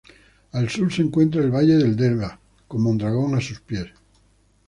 Al sur se encuentra el valle del Deba con Mondragón a sus pies.